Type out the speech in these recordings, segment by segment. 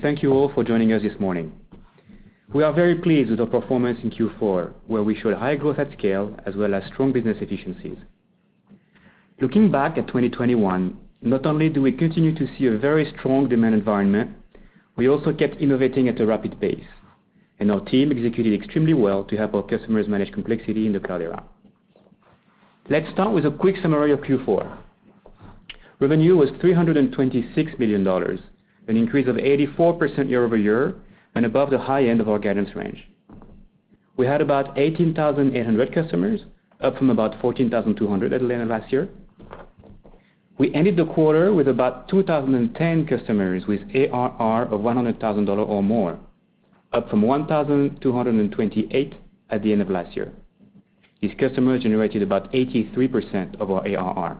Thank you all for joining us this morning. We are very pleased with our performance in Q4, where we showed high growth at scale as well as strong business efficiencies. Looking back at 2021, not only do we continue to see a very strong demand environment, we also kept innovating at a rapid pace, and our team executed extremely well to help our customers manage complexity in the cloud era. Let's start with a quick summary of Q4. Revenue was $326 million, an increase of 84% year-over-year and above the high end of our guidance range. We had about 18,800 customers, up from about 14,200 at the end of last year. We ended the quarter with about 2,010 customers with ARR of $100,000 or more, up from 1,228 at the end of last year. These customers generated about 83% of our ARR.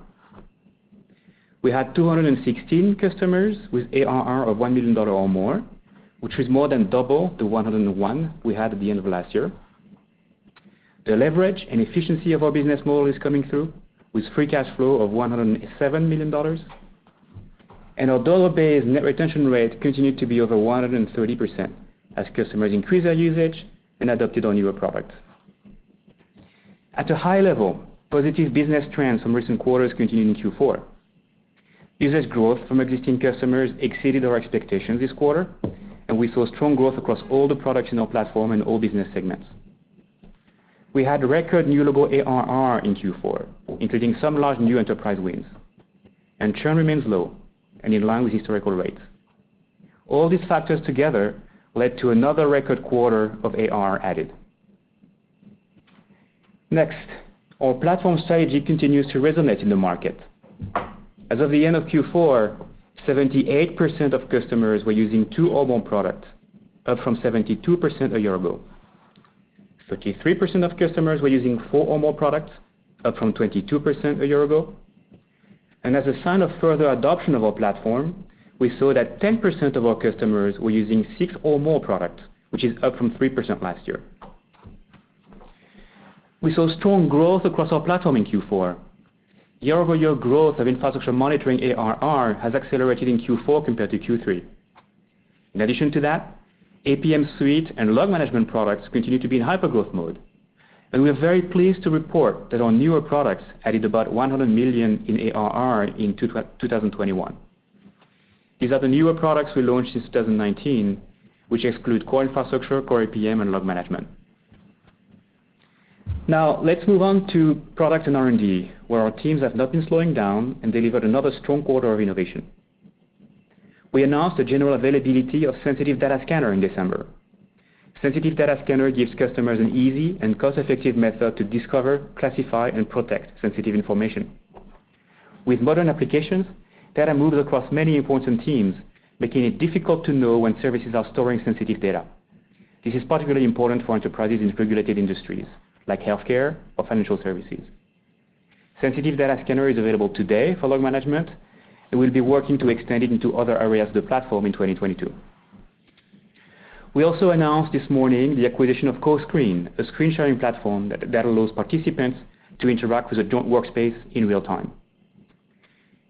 We had 216 customers with ARR of $1 million or more, which was more than double the 101 we had at the end of last year. The leverage and efficiency of our business model is coming through with free cash flow of $107 million. Our dollar-based net retention rate continued to be over 130% as customers increase their usage and adopted our newer products. At a high level, positive business trends from recent quarters continued in Q4. Business growth from existing customers exceeded our expectations this quarter, and we saw strong growth across all the products in our platform and all business segments. We had record new logo ARR in Q4, including some large new enterprise wins. Churn remains low and in line with historical rates. All these factors together led to another record quarter of ARR added. Next, our platform strategy continues to resonate in the market. As of the end of Q4, 78% of customers were using two or more products, up from 72% a year ago. Thirty-three percent of customers were using four or more products, up from 22% a year ago. As a sign of further adoption of our platform, we saw that 10% of our customers were using six or more products, which is up from 3% last year. We saw strong growth across our platform in Q4. Year-over-year growth of Infrastructure Monitoring ARR has accelerated in Q4 compared to Q3. In addition to that, APM Suite and Log Management products continue to be in hypergrowth mode, and we are very pleased to report that our newer products added about $100 million in ARR in 2021. These are the newer products we launched in 2019, which exclude core infrastructure, core APM, and Log Management. Now, let's move on to product and R&D, where our teams have not been slowing down and delivered another strong quarter of innovation. We announced the general availability of Sensitive Data Scanner in December. Sensitive Data Scanner gives customers an easy and cost-effective method to discover, classify, and protect sensitive information. With modern applications, data moves across many important teams, making it difficult to know when services are storing sensitive data. This is particularly important for enterprises in regulated industries like healthcare or financial services. Sensitive Data Scanner is available today for log management, and we'll be working to extend it into other areas of the platform in 2022. We also announced this morning the acquisition of CoScreen, a screen sharing platform that allows participants to interact with a joint workspace in real time.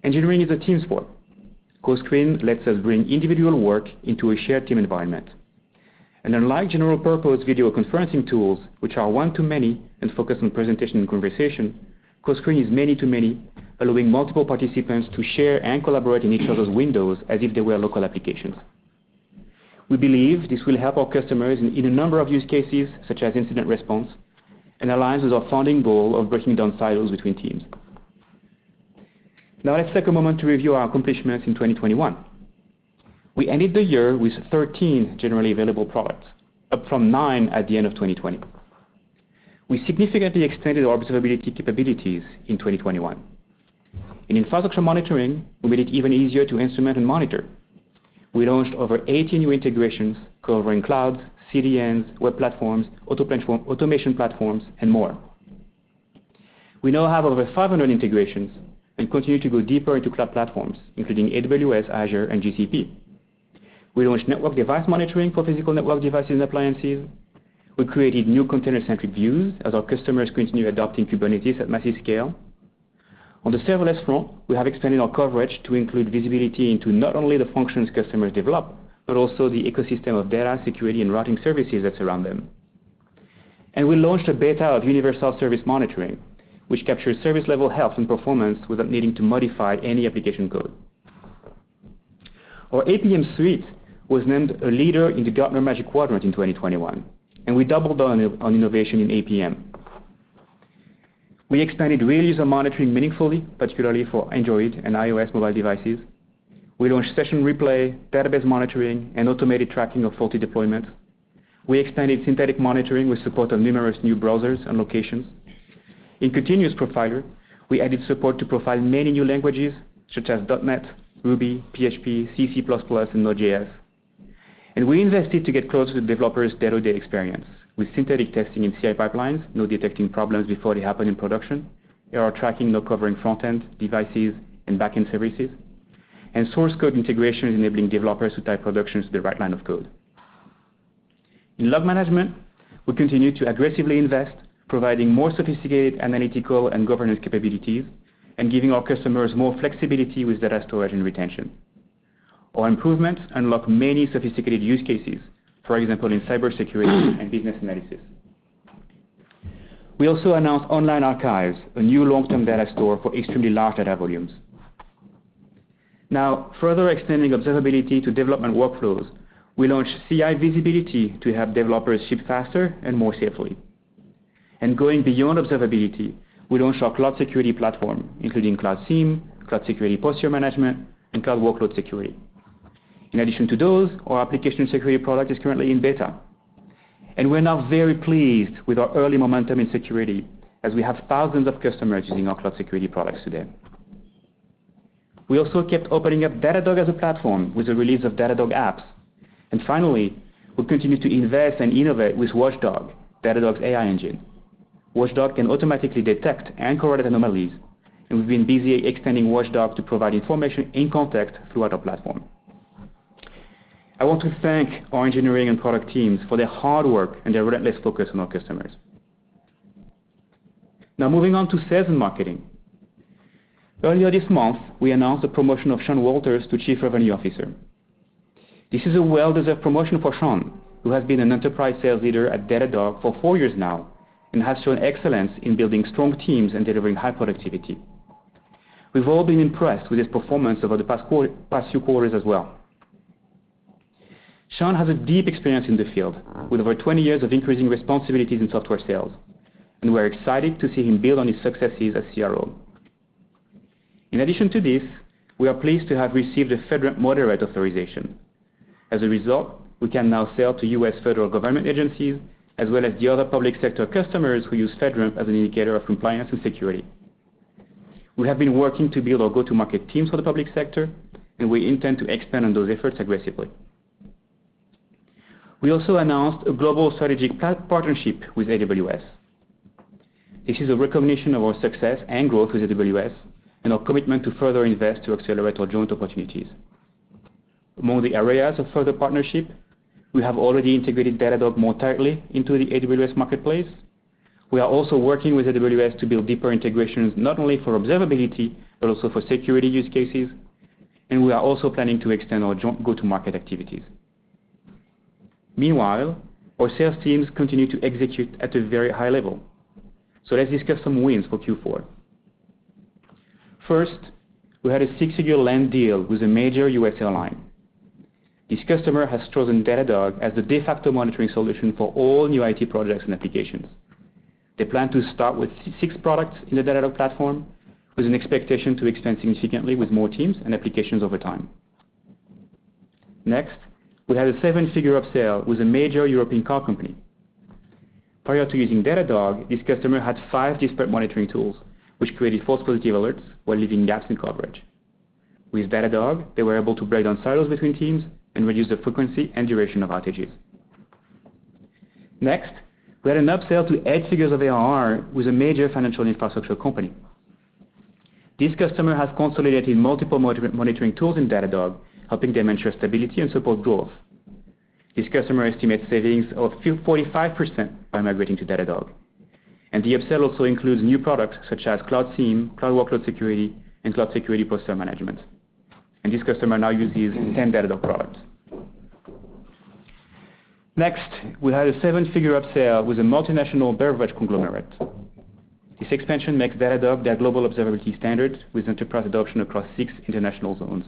Engineering is a team sport. CoScreen lets us bring individual work into a shared team environment. Unlike general purpose video conferencing tools, which are one-to-many and focused on presentation and conversation, CoScreen is many-to-many, allowing multiple participants to share and collaborate in each other's windows as if they were local applications. We believe this will help our customers in a number of use cases such as incident response, and aligns with our founding goal of breaking down silos between teams. Now, let's take a moment to review our accomplishments in 2021. We ended the year with 13 generally available products, up from nine at the end of 2020. We significantly extended our observability capabilities in 2021. In Infrastructure Monitoring, we made it even easier to instrument and monitor. We launched over 80 new integrations covering cloud, CDNs, web platforms, automation platforms, and more. We now have over 500 integrations and continue to go deeper into cloud platforms, including AWS, Azure, and GCP. We launched Network Device Monitoring for physical network device appliances. We created new container-centric views as our customers continue adopting Kubernetes at massive scale. On the serverless front, we have extended our coverage to include visibility into not only the functions customers develop, but also the ecosystem of data security and routing services that surround them. We launched a beta of Universal Service Monitoring, which captures service level health and performance without needing to modify any application code. Our APM Suite was named a leader in the Gartner Magic Quadrant in 2021, and we doubled down on innovation in APM. We expanded Real User Monitoring meaningfully, particularly for Android and iOS mobile devices. We launched Session Replay, Database Monitoring, and automated tracking of faulty deployments. We expanded Synthetic Monitoring with support of numerous new browsers and locations. In Continuous Profiler, we added support to profile many new languages such as .NET, Ruby, PHP, C/C++, and Node.js. We invested to get closer to developers' day-to-day experience with synthetic testing in CI pipelines now detecting problems before they happen in production, RUM tracking now covering front-end devices and back-end services, and source code integration enabling developers to tie production to the right line of code. In Log Management, we continue to aggressively invest, providing more sophisticated analytical and governance capabilities and giving our customers more flexibility with data storage and retention. Our improvements unlock many sophisticated use cases, for example, in cybersecurity and business analysis. We also announced Online Archives, a new long-term data store for extremely large data volumes. Now, further extending observability to development workflows, we launched CI Visibility to help developers ship faster and more safely. Going beyond observability, we launched our cloud security platform, including Cloud SIEM, Cloud Security Posture Management, and Cloud Workload Security. In addition to those, our application security product is currently in beta. We're now very pleased with our early momentum in security as we have thousands of customers using our cloud security products today. We also kept opening up Datadog as a platform with the release of Datadog Apps. Finally, we continue to invest and innovate with Watchdog, Datadog's AI engine. Watchdog can automatically detect and correlate anomalies, and we've been busy extending Watchdog to provide information in context throughout our platform. I want to thank our engineering and product teams for their hard work and their relentless focus on our customers. Now moving on to sales and marketing. Earlier this month, we announced the promotion of Sean Walters to Chief Revenue Officer. This is a well-deserved promotion for Sean, who has been an enterprise sales leader at Datadog for 4 years now and has shown excellence in building strong teams and delivering high productivity. We've all been impressed with his performance over the past few quarters as well. Sean has a deep experience in the field with over 20 years of increasing responsibilities in software sales, and we're excited to see him build on his successes as CRO. In addition to this, we are pleased to have received a FedRAMP moderate authorization. As a result, we can now sell to U.S. federal government agencies, as well as the other public sector customers who use FedRAMP as an indicator of compliance and security. We have been working to build our go-to-market teams for the public sector, and we intend to expand on those efforts aggressively. We also announced a global strategic partnership with AWS. This is a recognition of our success and growth with AWS and our commitment to further invest to accelerate our joint opportunities. Among the areas of further partnership, we have already integrated Datadog more tightly into the AWS marketplace. We are also working with AWS to build deeper integrations, not only for observability, but also for security use cases, and we are also planning to extend our joint go-to-market activities. Meanwhile, our sales teams continue to execute at a very high level. Let's discuss some wins for Q4. First, we had a six-figure land deal with a major U.S. airline. This customer has chosen Datadog as the de facto monitoring solution for all new IT projects and applications. They plan to start with six products in the Datadog platform with an expectation to expand significantly with more teams and applications over time. Next, we had a seven-figure up-sale with a major European car company. Prior to using Datadog, this customer had five disparate monitoring tools, which created false positive alerts while leaving gaps in coverage. With Datadog, they were able to break down silos between teams and reduce the frequency and duration of outages. Next, we had an up-sale to 8 figures of ARR with a major financial infrastructure company. This customer has consolidated multiple monitoring tools in Datadog, helping them ensure stability and support growth. This customer estimates savings of 45% by migrating to Datadog. The up-sale also includes new products such as Cloud SIEM, Cloud Workload Security, and Cloud Security Posture Management. This customer now uses 10 Datadog products. Next, we had a seven-figure up-sale with a multinational beverage conglomerate. This expansion makes Datadog their global observability standard with enterprise adoption across six international zones.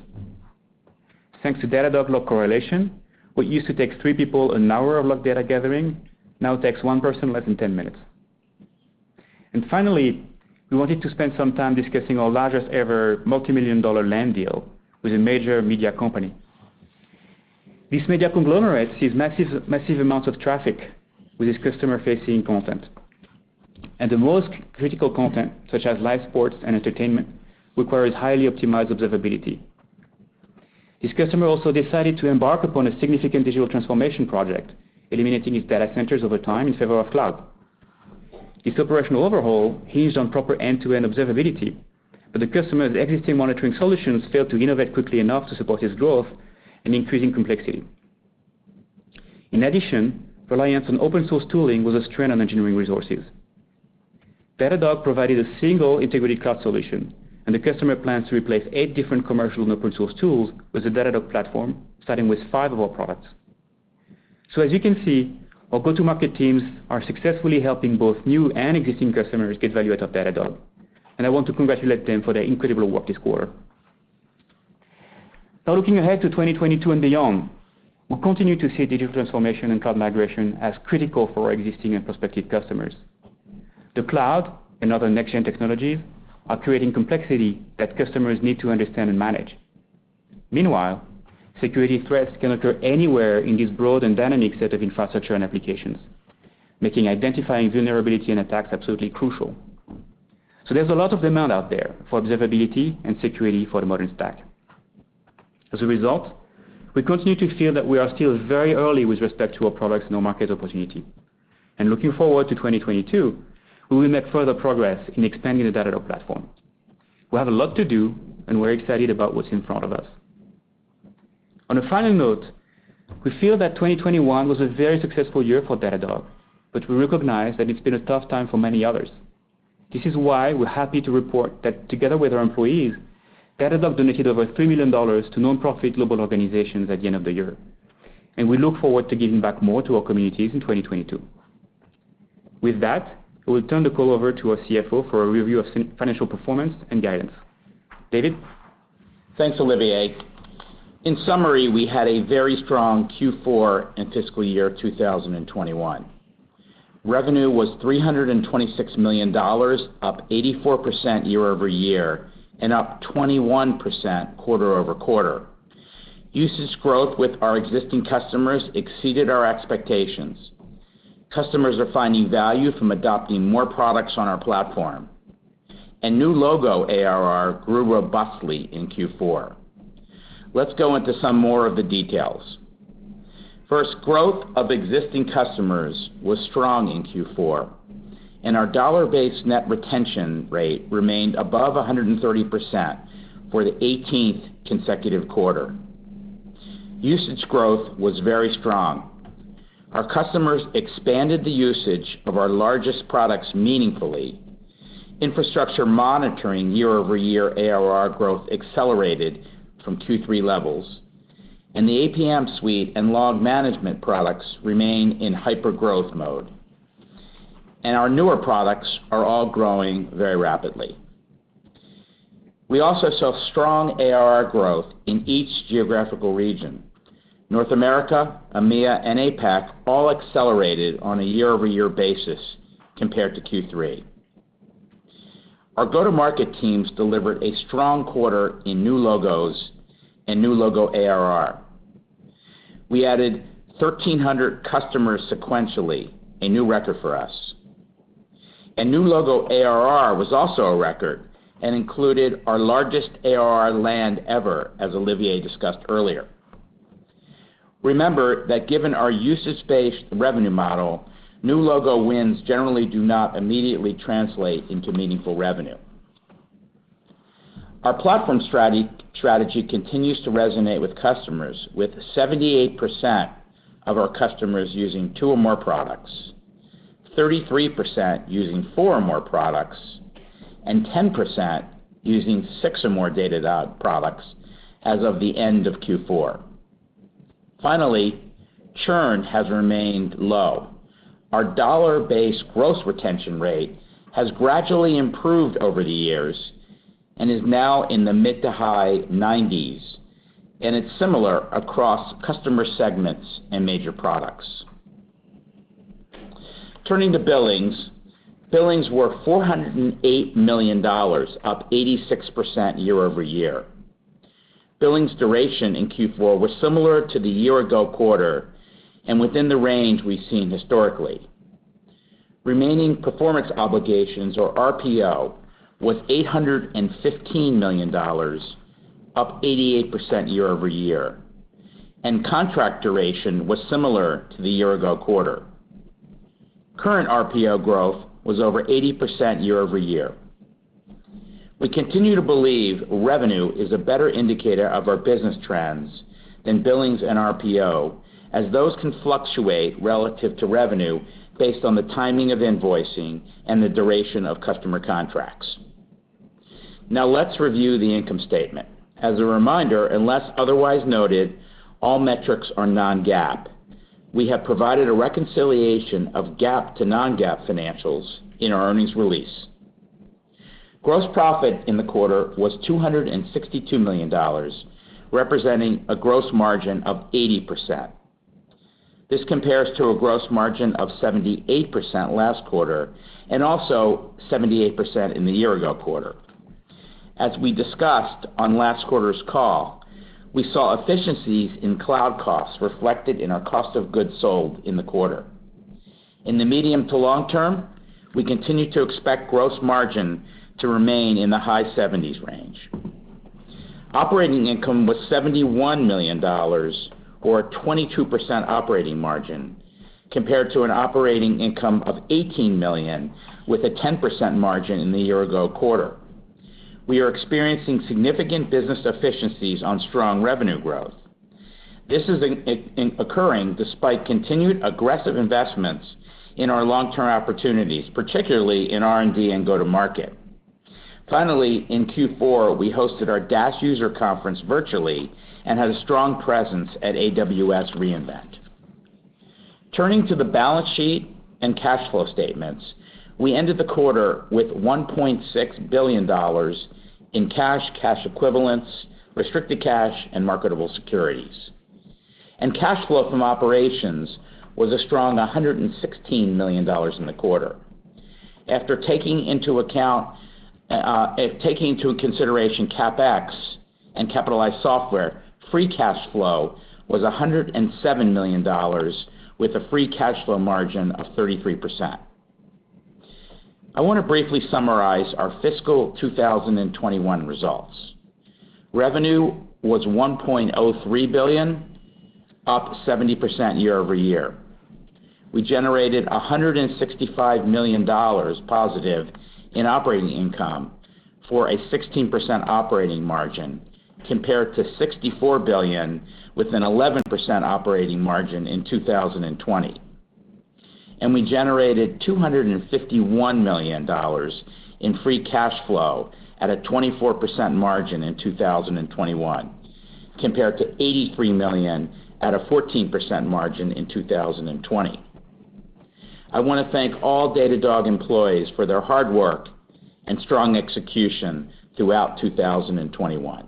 Thanks to Datadog log correlation, what used to take three people an hour of log data gathering now takes 1 person less than 10 minutes. Finally, we wanted to spend some time discussing our largest ever multimillion-dollar land deal with a major media company. This media conglomerate sees massive amounts of traffic with its customer-facing content. The most critical content, such as live sports and entertainment, requires highly optimized observability. This customer also decided to embark upon a significant digital transformation project, eliminating its data centers over time in favor of cloud. Its operational overhaul hinged on proper end-to-end observability, but the customer's existing monitoring solutions failed to innovate quickly enough to support its growth and increasing complexity. In addition, reliance on open source tooling was a strain on engineering resources. Datadog provided a single integrated cloud solution, and the customer plans to replace 8 different commercial and open source tools with the Datadog platform, starting with 5 of our products. As you can see, our go-to-market teams are successfully helping both new and existing customers get value out of Datadog, and I want to congratulate them for their incredible work this quarter. Now looking ahead to 2022 and beyond, we continue to see digital transformation and cloud migration as critical for our existing and prospective customers. The cloud and other next-gen technologies are creating complexity that customers need to understand and manage. Meanwhile, security threats can occur anywhere in this broad and dynamic set of infrastructure and applications, making identifying vulnerability and attacks absolutely crucial. There's a lot of demand out there for observability and security for the modern stack. As a result, we continue to feel that we are still very early with respect to our products and our market opportunity. Looking forward to 2022, we will make further progress in expanding the Datadog platform. We have a lot to do, and we're excited about what's in front of us. On a final note, we feel that 2021 was a very successful year for Datadog, but we recognize that it's been a tough time for many others. This is why we're happy to report that together with our employees, Datadog donated over $3 million to nonprofit global organizations at the end of the year. We look forward to giving back more to our communities in 2022. With that, I will turn the call over to our CFO for a review of financial performance and guidance. David? Thanks, Olivier. In summary, we had a very strong Q4 and fiscal year 2021. Revenue was $326 million, up 84% year-over-year and up 21% quarter-over-quarter. Usage growth with our existing customers exceeded our expectations. Customers are finding value from adopting more products on our platform. New logo ARR grew robustly in Q4. Let's go into some more of the details. First, growth of existing customers was strong in Q4, and our dollar-based net retention rate remained above 130% for the 18th consecutive quarter. Usage growth was very strong. Our customers expanded the usage of our largest products meaningfully. Infrastructure Monitoring year-over-year ARR growth accelerated from Q3 levels, and the APM Suite and Log Management products remain in hypergrowth mode. Our newer products are all growing very rapidly. We also saw strong ARR growth in each geographical region. North America, EMEA, and APAC all accelerated on a year-over-year basis compared to Q3. Our go-to-market teams delivered a strong quarter in new logos and new logo ARR. We added 1,300 customers sequentially, a new record for us. New logo ARR was also a record and included our largest ARR land ever, as Olivier discussed earlier. Remember that given our usage-based revenue model, new logo wins generally do not immediately translate into meaningful revenue. Our platform strategy continues to resonate with customers, with 78% of our customers using two or more products, 33% using four or more products, and 10% using six or more Datadog products as of the end of Q4. Finally, churn has remained low. Our dollar-based gross retention rate has gradually improved over the years and is now in the mid- to high 90s, and it's similar across customer segments and major products. Turning to billings. Billings were $408 million, up 86% year-over-year. Billings duration in Q4 was similar to the year-ago quarter and within the range we've seen historically. Remaining performance obligations, or RPO, was $815 million, up 88% year-over-year, and contract duration was similar to the year-ago quarter. Current RPO growth was over 80% year-over-year. We continue to believe revenue is a better indicator of our business trends than billings and RPO, as those can fluctuate relative to revenue based on the timing of invoicing and the duration of customer contracts. Now let's review the income statement. As a reminder, unless otherwise noted, all metrics are non-GAAP. We have provided a reconciliation of GAAP to non-GAAP financials in our earnings release. Gross profit in the quarter was $262 million, representing a gross margin of 80%. This compares to a gross margin of 78% last quarter and also 78% in the year-ago quarter. As we discussed on last quarter's call, we saw efficiencies in cloud costs reflected in our cost of goods sold in the quarter. In the medium to long term, we continue to expect gross margin to remain in the high 70s range. Operating income was $71 million or a 22% operating margin compared to an operating income of $18 million with a 10% margin in the year-ago quarter. We are experiencing significant business efficiencies on strong revenue growth. This is occurring despite continued aggressive investments in our long-term opportunities, particularly in R&D and go-to-market. Finally, in Q4, we hosted our Dash user conference virtually and had a strong presence at AWS re:Invent. Turning to the balance sheet and cash flow statements, we ended the quarter with $1.6 billion in cash equivalents, restricted cash, and marketable securities. Cash flow from operations was a strong $116 million in the quarter. After taking into consideration CapEx and capitalized software, free cash flow was $107 million with a free cash flow margin of 33%. I want to briefly summarize our fiscal 2021 results. Revenue was $1.03 billion, up 70% year-over-year. We generated $165 million positive in operating income for a 16% operating margin, compared to $64 million with an 11% operating margin in 2020. We generated $251 million in free cash flow at a 24% margin in 2021, compared to $83 million at a 14% margin in 2020. I wanna thank all Datadog employees for their hard work and strong execution throughout 2021.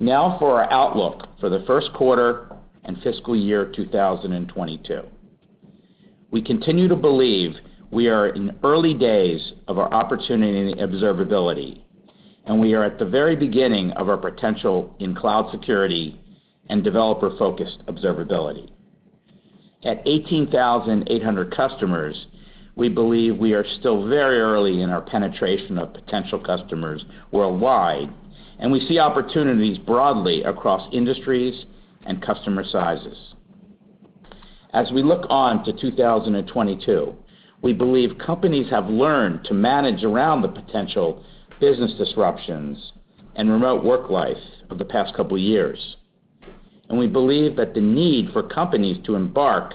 Now for our outlook for the first quarter and fiscal year 2022. We continue to believe we are in early days of our opportunity in observability, and we are at the very beginning of our potential in cloud security and developer-focused observability. At 18,800 customers, we believe we are still very early in our penetration of potential customers worldwide, and we see opportunities broadly across industries and customer sizes. As we look on to 2022, we believe companies have learned to manage around the potential business disruptions and remote work life of the past couple years. We believe that the need for companies to embark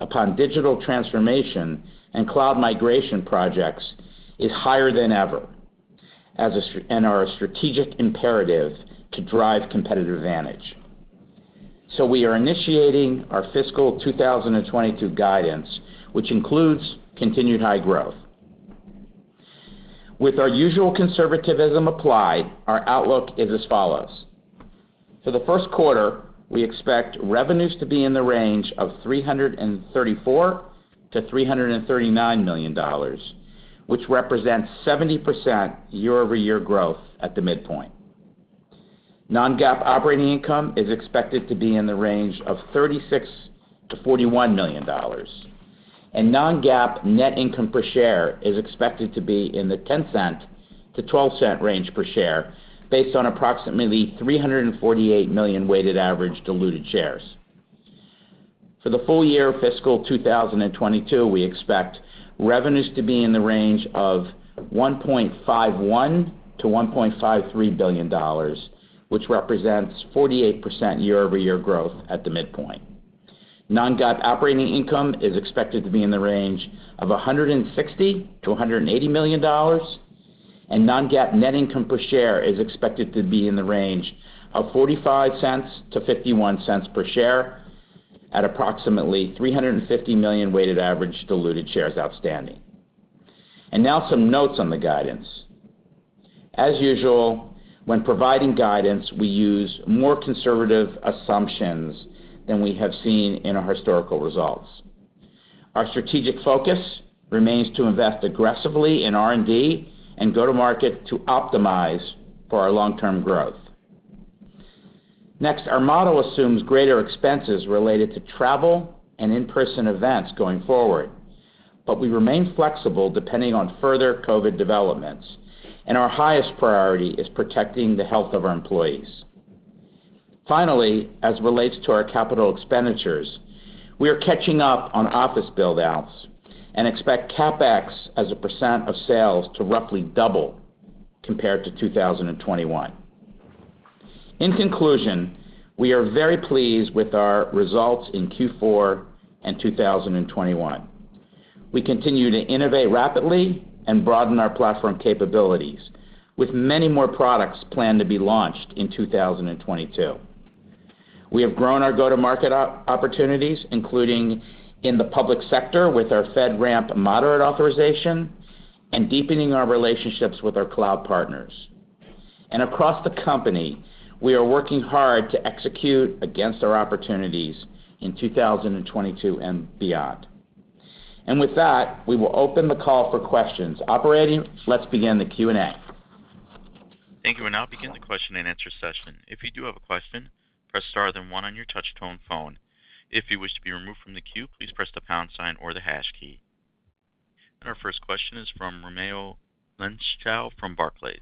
upon digital transformation and cloud migration projects is higher than ever, and are a strategic imperative to drive competitive advantage. We are initiating our fiscal 2022 guidance, which includes continued high growth. With our usual conservatism applied, our outlook is as follows: For the first quarter, we expect revenues to be in the range of $334 million-$339 million, which represents 70% year-over-year growth at the midpoint. Non-GAAP operating income is expected to be in the range of $36 million-$41 million. Non-GAAP net income per share is expected to be in the $0.10-$0.12 range per share based on approximately 348 million weighted average diluted shares. For the full year fiscal 2022, we expect revenues to be in the range of $1.51 billion-$1.53 billion, which represents 48% year-over-year growth at the midpoint. non-GAAP operating income is expected to be in the range of $160 million-$180 million, and non-GAAP net income per share is expected to be in the range of $0.45-$0.51 per share at approximately 350 million weighted average diluted shares outstanding. Now some notes on the guidance. As usual, when providing guidance, we use more conservative assumptions than we have seen in our historical results. Our strategic focus remains to invest aggressively in R&D and go to market to optimize for our long-term growth. Next, our model assumes greater expenses related to travel and in-person events going forward, but we remain flexible depending on further COVID developments, and our highest priority is protecting the health of our employees. Finally, as it relates to our capital expenditures, we are catching up on office build-outs and expect CapEx as a % of sales to roughly double compared to 2021. In conclusion, we are very pleased with our results in Q4 and 2021. We continue to innovate rapidly and broaden our platform capabilities with many more products planned to be launched in 2022. We have grown our go-to-market opportunities, including in the public sector with our FedRAMP moderate authorization and deepening our relationships with our cloud partners. Across the company, we are working hard to execute against our opportunities in 2022 and beyond. With that, we will open the call for questions. Operator, let's begin the Q&A. Thank you. We'll now begin the question and answer session. If you do have a question, press star then one on your touch tone phone. If you wish to be removed from the queue, please press the pound sign or the hash key. Our first question is from Raimo Lenschow from Barclays.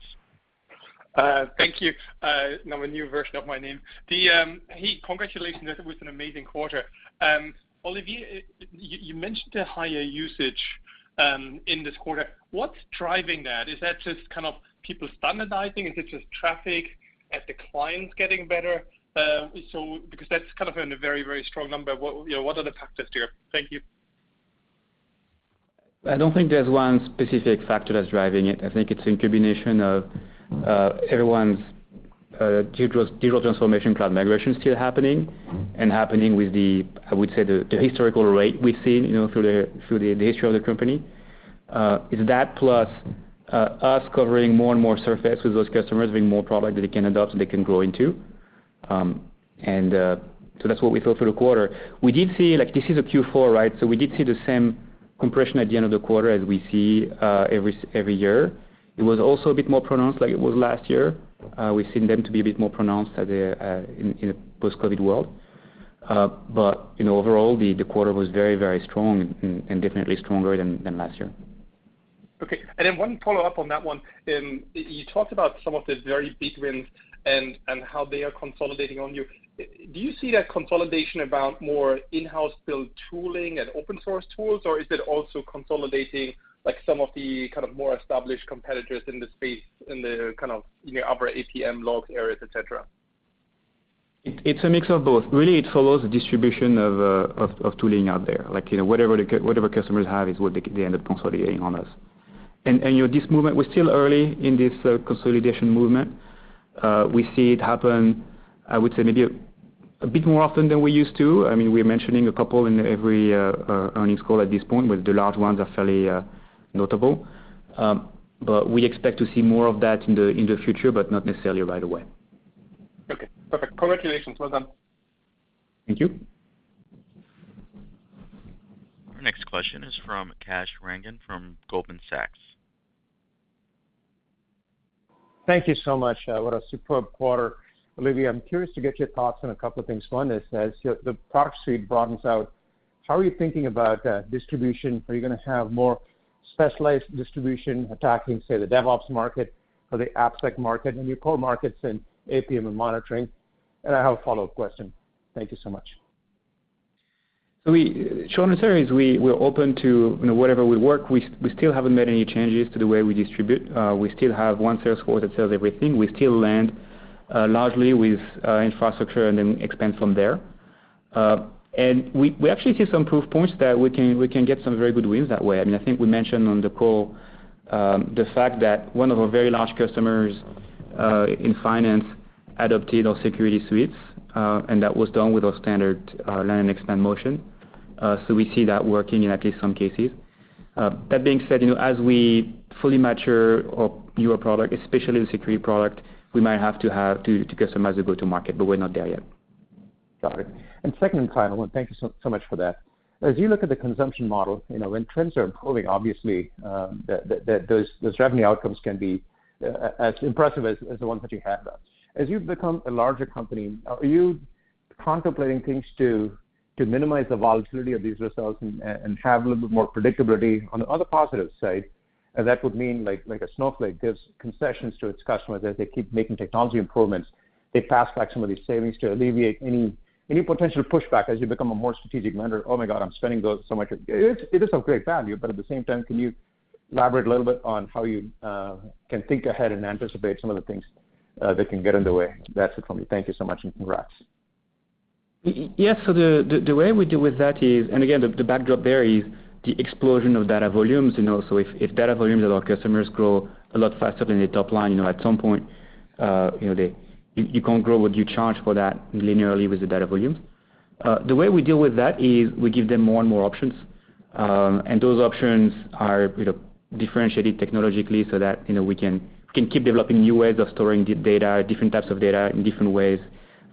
Thank you. Now a new version of my name. Hey, congratulations. That was an amazing quarter. Olivier, you mentioned a higher usage in this quarter. What's driving that? Is that just kind of people standardizing? Is it just traffic as the clients getting bigger? Because that's kind of a very strong number. What, you know, what are the factors here? Thank you. I don't think there's one specific factor that's driving it. I think it's a combination of everyone's digital transformation, cloud migration still happening with the historical rate we've seen, you know, through the history of the company. It's that plus us covering more and more surface with those customers, bringing more product that they can adopt and they can grow into. That's what we saw through the quarter. We did see, like, this is a Q4, right, the same compression at the end of the quarter as we see every year. It was also a bit more pronounced like it was last year. We've seen them to be a bit more pronounced as they in a post-COVID world. You know, overall, the quarter was very strong and definitely stronger than last year. Okay. One follow-up on that one. You talked about some of the very big wins and how they are consolidating on you. Do you see that consolidation about more in-house build tooling and open source tools, or is it also consolidating like some of the kind of more established competitors in the space, in the kind of your upper APM log areas, et cetera? It's a mix of both. Really, it follows the distribution of tooling out there. Like, you know, whatever customers have is what they end up consolidating on us. You know, this movement, we're still early in this consolidation movement. We see it happen, I would say maybe a bit more often than we used to. I mean, we're mentioning a couple in every earnings call at this point, but the large ones are fairly notable. We expect to see more of that in the future, but not necessarily right away. Okay. Perfect. Congratulations. Well done. Thank you. Our next question is from Kash Rangan from Goldman Sachs. Thank you so much. What a superb quarter. Olivier, I'm curious to get your thoughts on a couple of things. One is as the proxy broadens out, how are you thinking about distribution? Are you gonna have more specialized distribution attacking, say, the DevOps market or the AppSec market and your core markets in APM and monitoring? I have a follow-up question. Thank you so much. Short answer is we're open to, you know, whatever will work. We still haven't made any changes to the way we distribute. We still have one sales force that sells everything. We still land largely with infrastructure and then expand from there. We actually see some proof points that we can get some very good wins that way. I mean, I think we mentioned on the call the fact that one of our very large customers in finance adopted our security suites and that was done with our standard land and expand motion. We see that working in at least some cases. That being said, you know, as we fully mature our newer product, especially the security product, we might have to customize the go-to-market, but we're not there yet. Got it. Second and final one. Thank you so much for that. As you look at the consumption model, you know, when trends are improving, obviously, the those revenue outcomes can be as impressive as the ones that you have now. As you've become a larger company, are you contemplating things to minimize the volatility of these results and have a little bit more predictability on the other positive side? That would mean like a Snowflake gives concessions to its customers as they keep making technology improvements. They pass back some of these savings to alleviate any potential pushback as you become a more strategic vendor. Oh my God, I'm spending too much. It is of great value, but at the same time, can you elaborate a little bit on how you can think ahead and anticipate some of the things that can get in the way? That's it for me. Thank you so much, and congrats. Yes. The way we deal with that is the backdrop there is the explosion of data volumes, you know. If data volumes of our customers grow a lot faster than the top line, you know, at some point, you know, you can't grow what you charge for that linearly with the data volume. The way we deal with that is we give them more and more options. Those options are, you know, differentiated technologically so that, you know, we can keep developing new ways of storing data, different types of data in different ways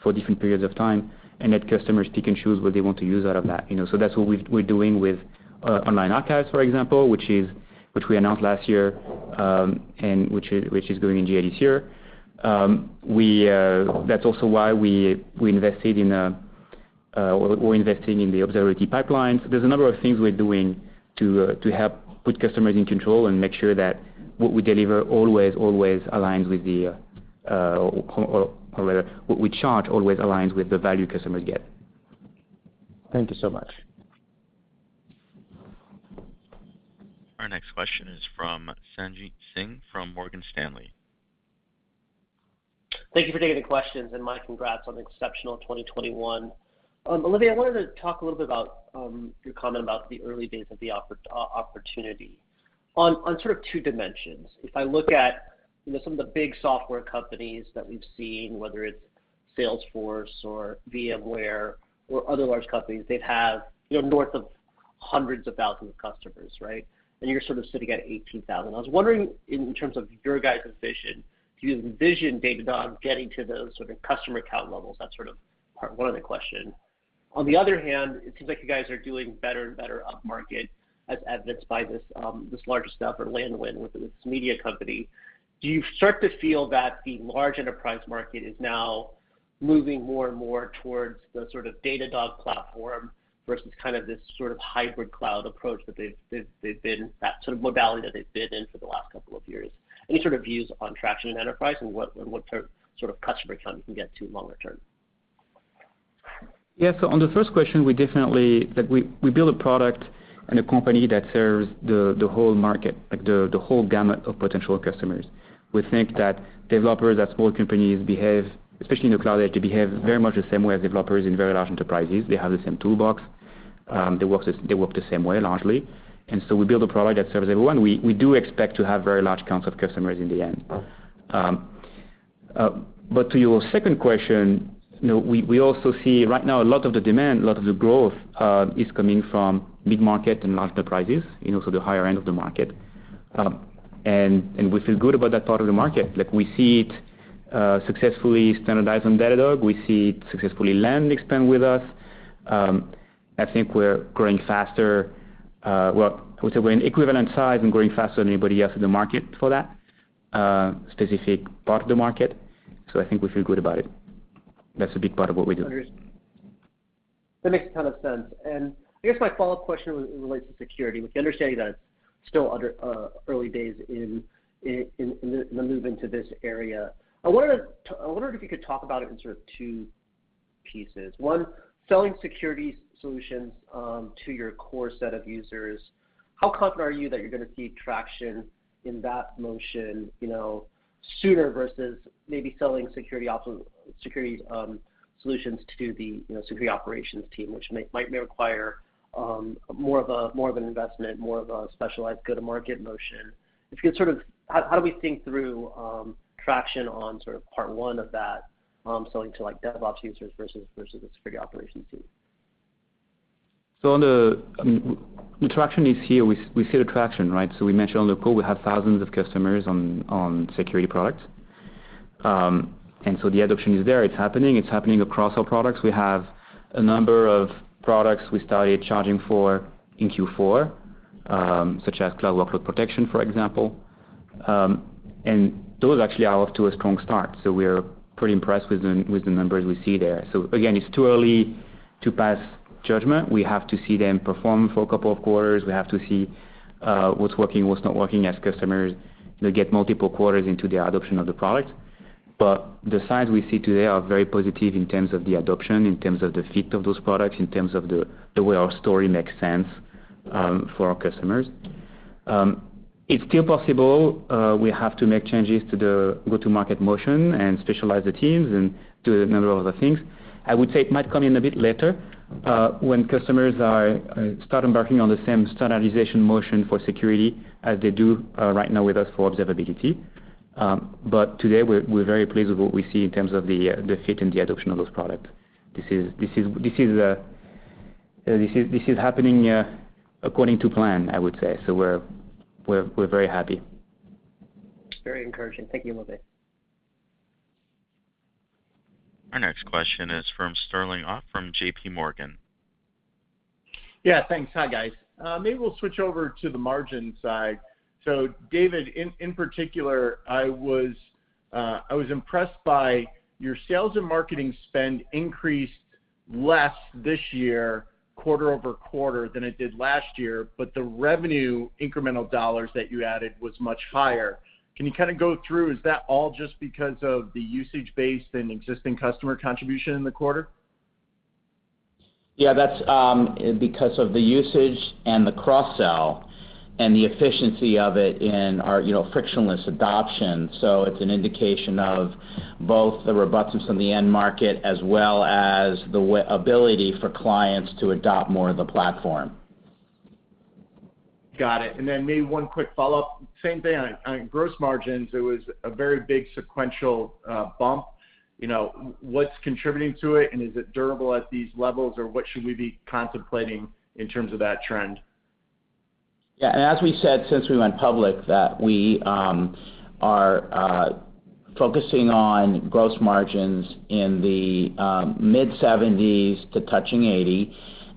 for different periods of time, and let customers pick and choose what they want to use out of that, you know. That's what we're doing with Online Archives, for example, which we announced last year, and which is going in GA this year. That's also why we invested or we're investing in the Observability Pipelines. There's a number of things we're doing to help put customers in control and make sure that what we deliver always aligns with the, or rather, what we charge always aligns with the value customers get. Thank you so much. Our next question is from Sanjit Singh from Morgan Stanley. Thank you for taking the questions, and my congrats on exceptional 2021. Olivier, I wanted to talk a little bit about your comment about the early days of the opportunity on sort of two dimensions. If I look at, you know, some of the big software companies that we've seen, whether it's Salesforce or VMware or other large companies, they'd have, you know, north of hundreds of thousands of customers, right? You're sort of sitting at 18,000. I was wondering in terms of your guys' vision, do you envision Datadog getting to those sort of customer count levels? That's sort of part one of the question. On the other hand, it seems like you guys are doing better and better upmarket as evidenced by this larger stuff or land win with this media company. Do you start to feel that the large enterprise market is now moving more and more towards the sort of Datadog platform versus kind of this sort of hybrid cloud approach that they've been that sort of modality that they've been in for the last couple of years? Any sort of views on traction in enterprise and what sort of customer count you can get to longer term? Yeah. On the first question, we definitely like we build a product and a company that serves the whole market, like the whole gamut of potential customers. We think that developers at small companies behave, especially in the cloud, they behave very much the same way as developers in very large enterprises. They have the same toolbox. They work the same way, largely. We build a product that serves everyone. We do expect to have very large counts of customers in the end. To your second question, you know, we also see right now a lot of the demand, a lot of the growth is coming from mid-market and large enterprises, you know, so the higher end of the market. We feel good about that part of the market. Like we see it successfully standardized on Datadog. We see it successfully land expand with us. I think we're growing faster, well, I would say we're an equivalent size and growing faster than anybody else in the market for that specific part of the market. So I think we feel good about it. That's a big part of what we do. That makes a ton of sense. I guess my follow-up question relates to security, with the understanding that it's still in early days in the move into this area. I wondered if you could talk about it in sort of two pieces. One, selling security solutions to your core set of users, how confident are you that you're gonna see traction in that motion, you know, sooner versus maybe selling security ops, security solutions to the, you know, security operations team, which might require more of an investment, more of a specialized go-to-market motion? If you could sort of how do we think through traction on sort of part one of that, selling to like DevOps users versus the security operations team? The traction is here. We see the traction, right? We mentioned on the call we have thousands of customers on security products. The adoption is there. It's happening across our products. We have a number of products we started charging for in Q4, such as Cloud Workload Security, for example. Those actually are off to a strong start, so we're pretty impressed with the numbers we see there. Again, it's too early to pass judgment. We have to see them perform for a couple of quarters. We have to see what's working, what's not working as customers, you know, get multiple quarters into the adoption of the product. The signs we see today are very positive in terms of the adoption, in terms of the fit of those products, in terms of the way our story makes sense for our customers. It's still possible we have to make changes to the go-to-market motion and specialize the teams and do a number of other things. I would say it might come in a bit later when customers start embarking on the same standardization motion for security as they do right now with us for observability. Today we're very pleased with what we see in terms of the fit and the adoption of those products. This is happening according to plan, I would say. We're very happy. Very encouraging. Thank you, Olivier. Our next question is from Sterling Auty from J.P. Morgan. Yeah, thanks. Hi, guys. Maybe we'll switch over to the margin side. David, in particular I was impressed by your sales and marketing spend increased less this year quarter-over-quarter than it did last year, but the revenue incremental dollars that you added was much higher. Can you kind of go through, is that all just because of the usage base than existing customer contribution in the quarter? Yeah, that's because of the usage and the cross-sell and the efficiency of it in our, you know, frictionless adoption. It's an indication of both the robustness on the end market as well as the ability for clients to adopt more of the platform. Got it. Maybe one quick follow-up. Same vein. On gross margins, it was a very big sequential bump. You know, what's contributing to it, and is it durable at these levels, or what should we be contemplating in terms of that trend? Yeah. As we said, since we went public that we are focusing on gross margins in the mid-70s% to touching 80%,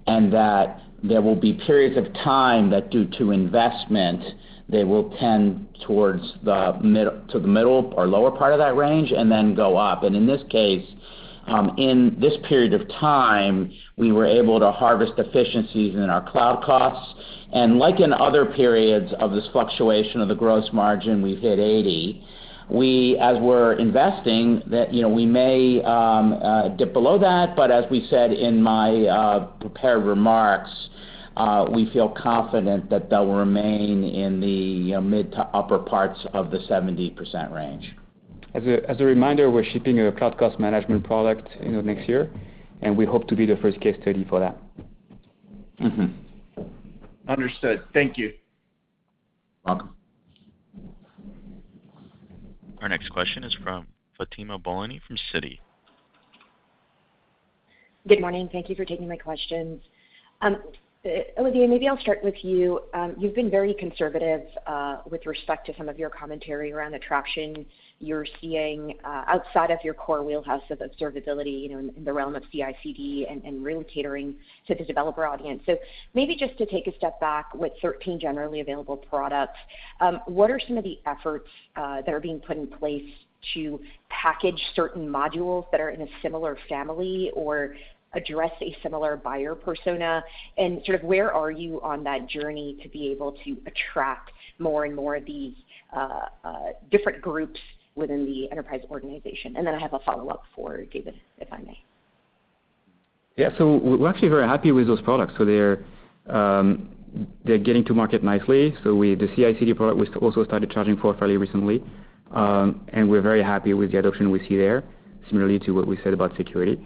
and that there will be periods of time that due to investment, they will tend towards the mid- to the middle or lower part of that range and then go up. In this case, in this period of time, we were able to harvest efficiencies in our cloud costs. Like in other periods of this fluctuation of the gross margin, we've hit 80%. We, as we're investing, that you know we may dip below that. As we said in my prepared remarks, we feel confident that they'll remain in the you know mid- to upper parts of the 70% range. As a reminder, we're shipping a Cloud Cost Management product, you know, next year, and we hope to be the first case study for that. Mm-hmm. Understood. Thank you. Welcome. Our next question is from Fatima Boolani from Citi. Good morning. Thank you for taking my questions. Olivier, maybe I'll start with you. You've been very conservative with respect to some of your commentary around the traction you're seeing outside of your core wheelhouse of observability, you know, in the realm of CI/CD and really catering to the developer audience. Maybe just to take a step back with 13 generally available products, what are some of the efforts that are being put in place to package certain modules that are in a similar family or address a similar buyer persona? And sort of where are you on that journey to be able to attract more and more of these different groups within the enterprise organization? And then I have a follow-up for David, if I may. Yeah. We're actually very happy with those products. They're getting to market nicely. The CI/CD product we also started charging for fairly recently. And we're very happy with the adoption we see there, similarly to what we said about security.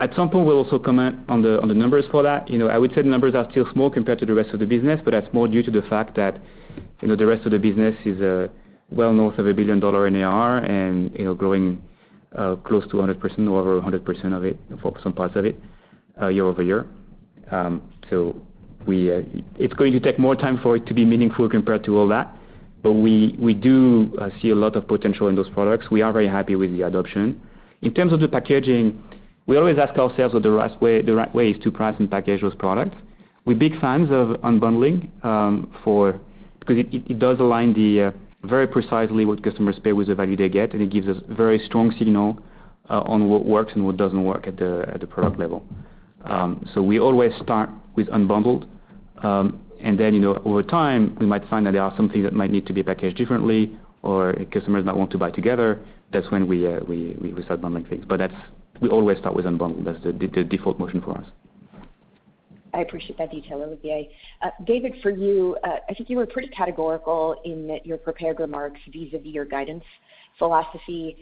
At some point, we'll also comment on the numbers for that. You know, I would say the numbers are still small compared to the rest of the business, but that's more due to the fact that, you know, the rest of the business is well north of $1 billion ARR and, you know, growing close to 100% or over 100% of it year-over-year, for some parts of it. It's going to take more time for it to be meaningful compared to all that. We do see a lot of potential in those products. We are very happy with the adoption. In terms of the packaging, we always ask ourselves what the right way is to price and package those products. We're big fans of unbundling because it does align very precisely what customers pay with the value they get, and it gives us very strong signal on what works and what doesn't work at the product level. We always start with unbundled. Over time, we might find that there are some things that might need to be packaged differently or customers might want to buy together. That's when we start bundling things. We always start with unbundled. That's the default motion for us. I appreciate that detail, Olivier. David, for you, I think you were pretty categorical in your prepared remarks vis-a-vis your guidance philosophy.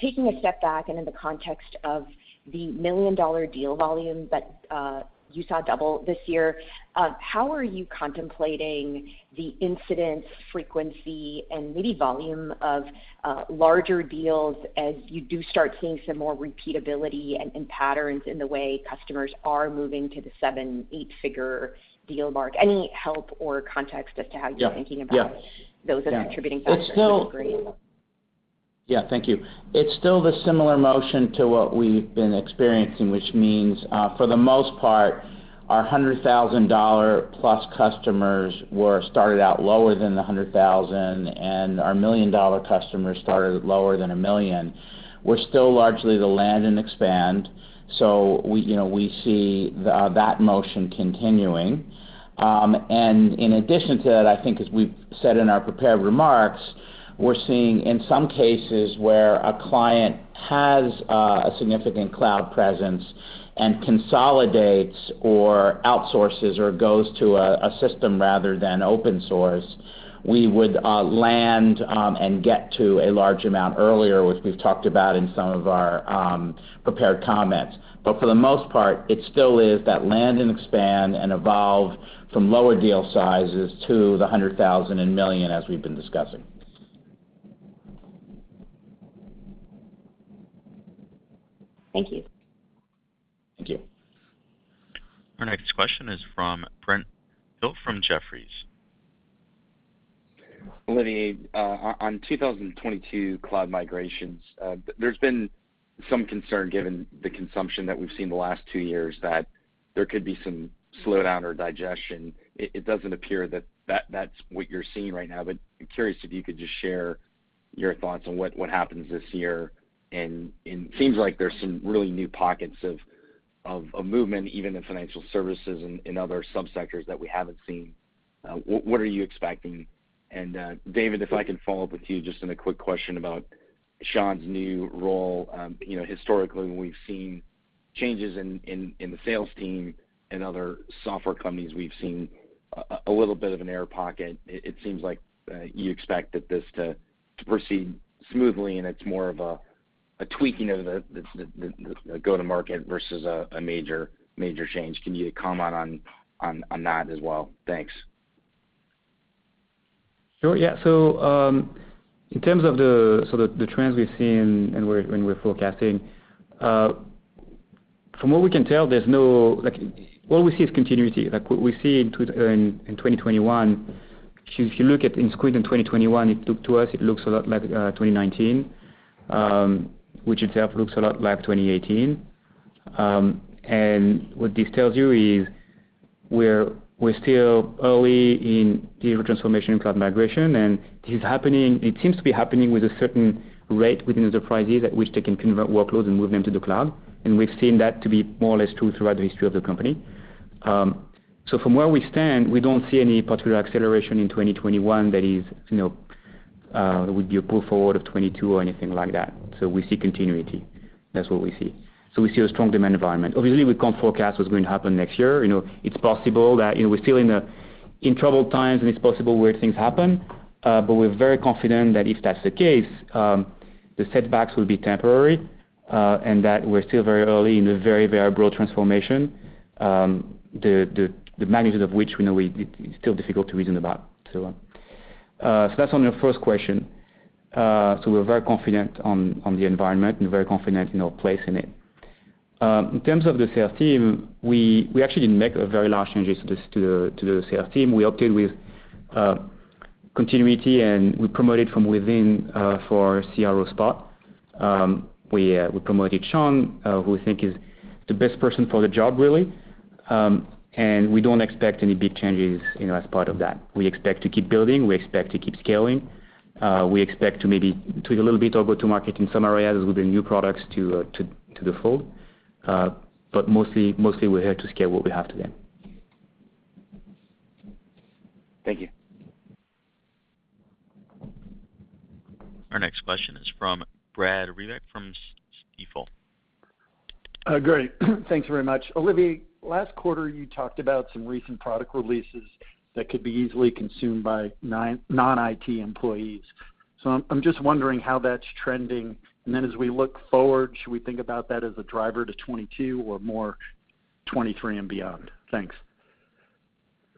Taking a step back and in the context of the million-dollar deal volume that you saw double this year, how are you contemplating the incidence frequency and maybe volume of larger deals as you do start seeing some more repeatability and patterns in the way customers are moving to the seven, eight-figure deal mark? Any help or context as to how you're thinking about those as contributing factors would be great. Yeah. Thank you. It's still a similar motion to what we've been experiencing, which means, for the most part, our $100,000+ customers were started out lower than the $100,000, and our $1 million customers started lower than $1 million. We're still largely the land and expand. We, you know, see that motion continuing. In addition to that, I think as we've said in our prepared remarks, we're seeing in some cases where a client has a significant cloud presence and consolidates or outsources or goes to a system rather than open source, we would land and get to a large amount earlier, which we've talked about in some of our prepared remarks. For the most part, it still is that land and expand and evolve from lower deal sizes to the $100,000 and $1 million, as we've been discussing. Thank you. Thank you. Our next question is from Brent Thill from Jefferies. Olivier, on 2022 cloud migrations, there's been some concern given the consumption that we've seen the last two years that there could be some slowdown or digestion. It doesn't appear that that's what you're seeing right now, but I'm curious if you could just share your thoughts on what happens this year. It seems like there's some really new pockets of movement even in financial services and other subsectors that we haven't seen. What are you expecting? David, if I can follow up with you just in a quick question about Sean's new role. You know, historically, when we've seen changes in the sales team and other software companies, we've seen a little bit of an air pocket. It seems like you expect this to proceed smoothly, and it's more of a tweaking of the go-to-market versus a major change. Can you comment on that as well? Thanks. Sure, yeah. In terms of sort of the trends we've seen and we're forecasting, from what we can tell, what we see is continuity. Like what we see in 2021, if you look at in CY21 in 2021, it looked to us, it looks a lot like 2019, which itself looks a lot like 2018. What this tells you is we're still early in digital transformation and cloud migration, and it seems to be happening with a certain rate within enterprises at which they can convert workloads and move them to the cloud. We've seen that to be more or less true throughout the history of the company. From where we stand, we don't see any particular acceleration in 2021 that is, you know, would be a pull forward of 2022 or anything like that. We see continuity. That's what we see. We see a strong demand environment. Obviously, we can't forecast what's going to happen next year. You know, it's possible that, you know, we're still in troubled times, and it's possible weird things happen. But we're very confident that if that's the case, the setbacks will be temporary, and that we're still very early in a very, very broad transformation, the magnitude of which we know it's still difficult to reason about. That's on your first question. We're very confident on the environment and very confident in our place in it. In terms of the sales team, we actually didn't make a very large changes to the sales team. We opted with continuity, and we promoted from within for CRO spot. We promoted Sean, who we think is the best person for the job, really. We don't expect any big changes, you know, as part of that. We expect to keep building. We expect to keep scaling. We expect to maybe tweak a little bit or go to market in some areas with the new products to the fold. Mostly we're here to scale what we have today. Thank you. Our next question is from Brad Reback from Stifel. Great. Thanks very much. Olivier, last quarter, you talked about some recent product releases that could be easily consumed by non-IT employees. I'm just wondering how that's trending. As we look forward, should we think about that as a driver to 2022 or more 2023 and beyond? Thanks.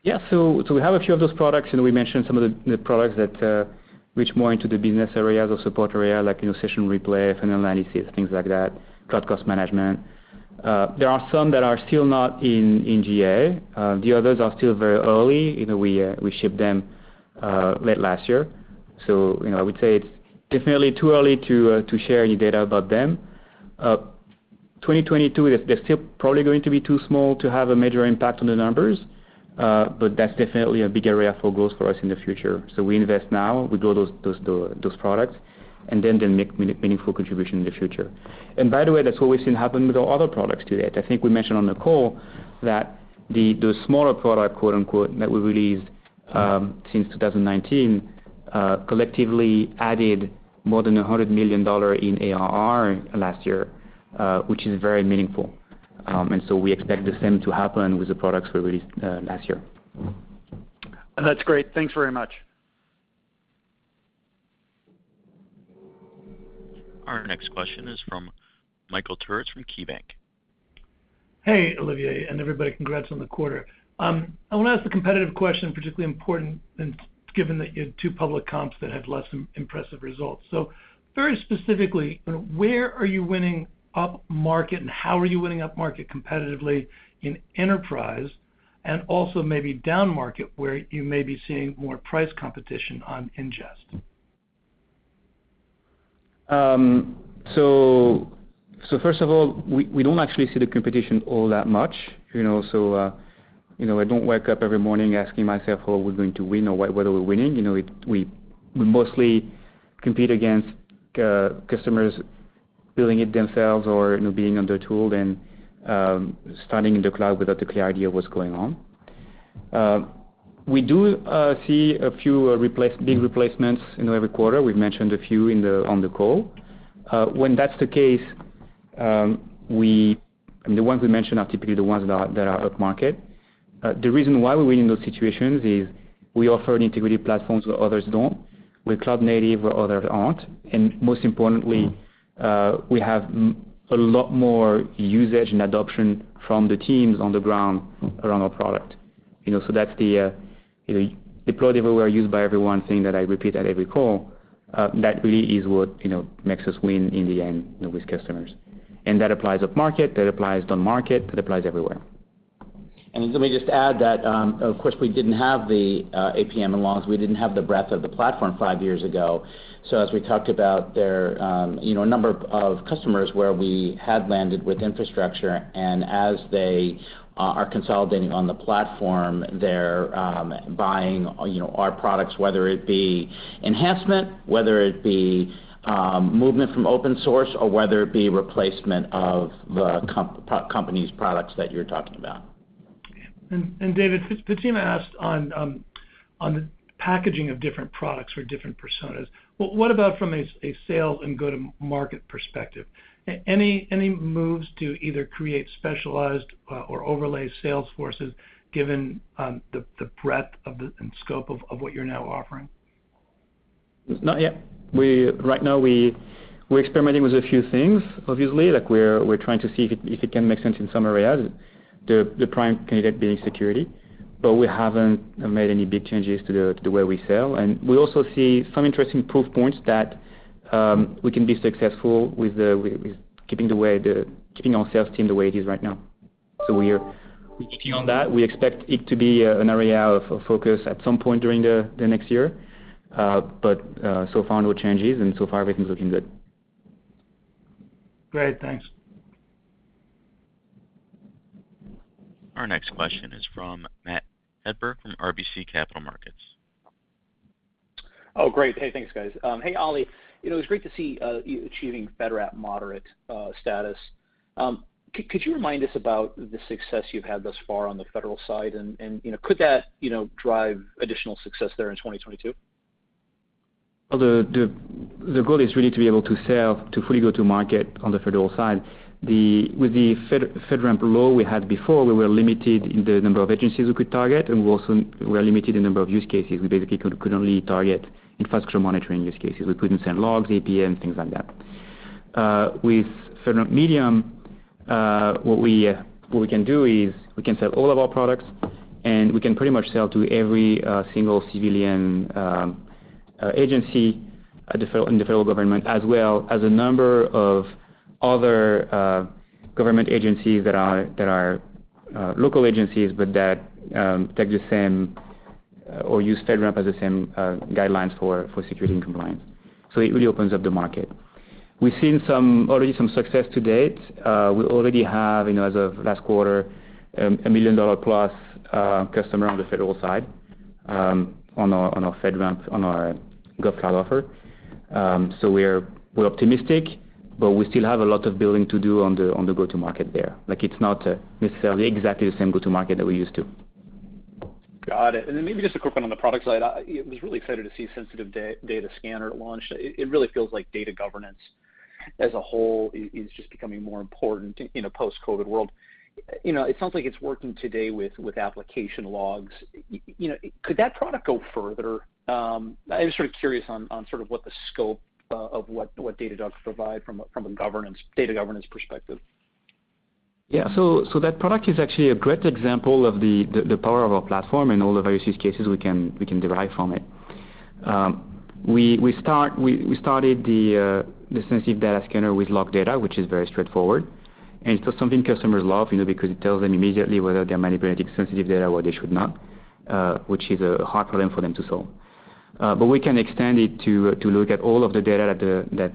We have a few of those products, and we mentioned some of the products that reach more into the business areas or support area like, you know, Session Replay, funnel analysis, things like that, Cloud Cost Management. There are some that are still not in GA. The others are still very early. You know, we ship them late last year. You know, I would say it's definitely too early to share any data about them. 2022, they're still probably going to be too small to have a major impact on the numbers, but that's definitely a big area for growth for us in the future. We invest now, we grow those products, and then they make meaningful contribution in the future. By the way, that's what we've seen happen with our other products to date. I think we mentioned on the call that the smaller product, quote-unquote, that we released since 2019 collectively added more than $100 million in ARR last year, which is very meaningful. We expect the same to happen with the products we released last year. That's great. Thanks very much. Our next question is from Michael Turits from KeyBanc. Hey, Olivier and everybody, congrats on the quarter. I want to ask a competitive question, particularly important and given that you had two public comps that had less impressive results. Very specifically, where are you winning upmarket, and how are you winning upmarket competitively in enterprise? Maybe downmarket, where you may be seeing more price competition on ingest. First of all, we don't actually see the competition all that much, you know. You know, I don't wake up every morning asking myself how we're going to win or whether we're winning. You know, we mostly compete against customers building it themselves or, you know, being undertooled and starting in the cloud without a clear idea of what's going on. We do see a few big replacements in every quarter. We've mentioned a few on the call. When that's the case, I mean, the ones we mention are typically the ones that are upmarket. The reason why we win those situations is we offer an integrated platform where others don't. We're cloud native where others aren't. Most importantly, we have a lot more usage and adoption from the teams on the ground around our product. You know, so that's the deployed everywhere, used by everyone thing that I repeat at every call, that really is what makes us win in the end, you know, with customers. That applies upmarket, that applies downmarket, that applies everywhere. Let me just add that, of course, we didn't have the APM and logs. We didn't have the breadth of the platform five years ago. As we talked about there, you know, a number of customers where we had landed with infrastructure, and as they are consolidating on the platform, they're buying, you know, our products, whether it be enhancement, whether it be movement from open source or whether it be replacement of the company's products that you're talking about. David, Fatima asked on the packaging of different products for different personas. What about from a sales and go-to-market perspective? Any moves to either create specialized or overlay sales forces given the breadth and scope of what you're now offering? Not yet. Right now we're experimenting with a few things, obviously. Like, we're trying to see if it can make sense in some areas, the prime candidate being security. We haven't made any big changes to the way we sell. We also see some interesting proof points that we can be successful with keeping our sales team the way it is right now. We are keeping on that. We expect it to be an area of focus at some point during the next year. So far, no changes, and so far everything's looking good. Great. Thanks. Our next question is from Matt Hedberg from RBC Capital Markets. Oh, great. Hey, thanks, guys. Hey, Olivier. You know, it's great to see you achieving FedRAMP moderate status. Could you remind us about the success you've had thus far on the federal side? You know, could that drive additional success there in 2022? The goal is really to be able to sell and fully go to market on the federal side. With the FedRAMP Low we had before, we were limited in the number of agencies we could target, and we also were limited in number of use cases. We basically could only target Infrastructure Monitoring use cases. We couldn't send logs, APM, things like that. With FedRAMP Moderate, what we can do is we can sell all of our products, and we can pretty much sell to every single civilian agency in the federal government, as well as a number of other government agencies that are local agencies, but that take the same or use FedRAMP as the same guidelines for security and compliance. It really opens up the market. We've seen already some success to date. We already have, you know, as of last quarter, a $1 million-plus customer on the federal side, on our FedRAMP, on our GovCloud offer. We're optimistic, but we still have a lot of building to do on the go-to-market there. Like, it's not necessarily exactly the same go-to-market that we're used to. Got it. Maybe just a quick one on the product side. I was really excited to see Sensitive Data Scanner launched. It really feels like data governance as a whole is just becoming more important in a post-COVID world. You know, it sounds like it's working today with application logs. You know, could that product go further? I'm just sort of curious on sort of what the scope of what Datadog provide from a data governance perspective. That product is actually a great example of the power of our platform and all the various use cases we can derive from it. We started the Sensitive Data Scanner with log data, which is very straightforward. Something customers love, you know, because it tells them immediately whether they're manipulating sensitive data or they should not, which is a hard problem for them to solve. But we can extend it to look at all of the data that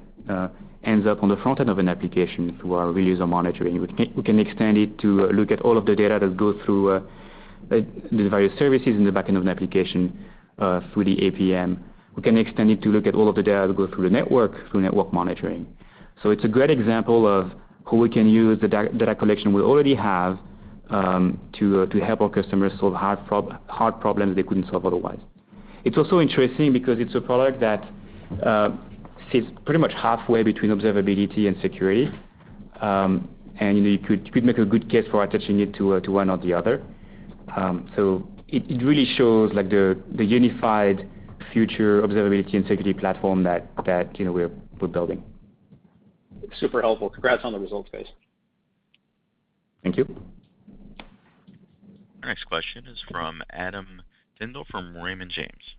ends up on the front end of an application through our user monitoring. We can extend it to look at all of the data that goes through the various services in the back end of an application through the APM. We can extend it to look at all of the data that goes through the network through network monitoring. It's a great example of how we can use the data collection we already have to help our customers solve hard problems they couldn't solve otherwise. It's also interesting because it's a product that sits pretty much halfway between observability and security. You could make a good case for attaching it to one or the other. It really shows like the unified future observability and security platform that you know we're building. Super helpful. Congrats on the results, guys. Thank you. Our next question is from Adam Tindle from Raymond James.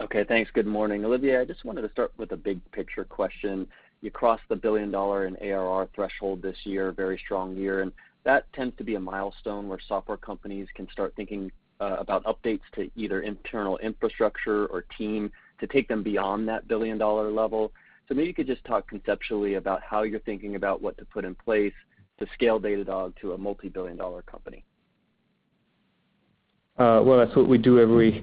Okay, thanks. Good morning. Olivier, I just wanted to start with a big picture question. You crossed the billion-dollar in ARR threshold this year, very strong year, and that tends to be a milestone where software companies can start thinking about updates to either internal infrastructure or team to take them beyond that billion-dollar level. Maybe you could just talk conceptually about how you're thinking about what to put in place to scale Datadog to a multi-billion-dollar company. Well, that's what we do every week.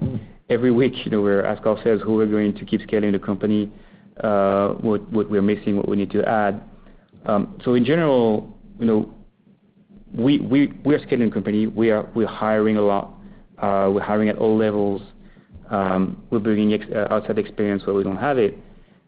You know, where Ascal says how we're going to keep scaling the company, what we're missing, what we need to add. In general, you know, we're a scaling company. We're hiring a lot. We're hiring at all levels. We're bringing outside experience where we don't have it.